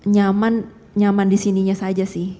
nyaman nyaman di sininya saja sih